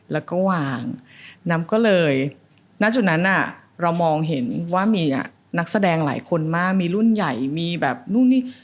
แล้วก็วางน้ำก็เลยณจุดนั้นเรามองเห็นว่ามีนักแสดงหลายคนมากมีรุ่นใหญ่มีแบบนู่นนี่